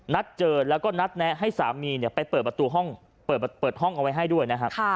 นัดเจอแล้วก็นัดแนะให้สามีไปเปิดประตูห้องเปิดห้องเอาไว้ให้ด้วยนะครับ